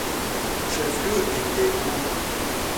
Son chef lieu était Aue.